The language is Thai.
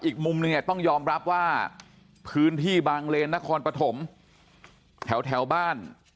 อีกมุมนึงเนี่ยต้องยอมรับว่าพื้นที่บางเลนนครปฐมแถวบ้าน